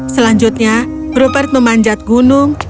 selanjutnya rupert memanjat gunung